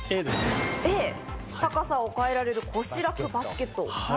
Ａ、高さが変えられる腰らくバスケット。